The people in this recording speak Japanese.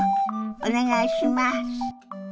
お願いします！